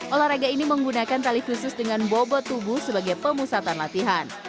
olahraga ini menggunakan tali khusus dengan bobot tubuh sebagai pemusatan latihan